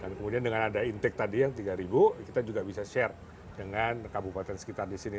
dan kemudian dengan ada intake tadi yang tiga ribu kita juga bisa share dengan kabupaten sekitar di sini